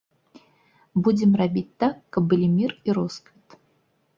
Будзем рабіць так, каб былі мір і росквіт.